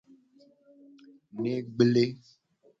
Ne gble.